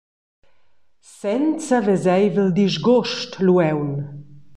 Senza veseivel disgust lu aunc.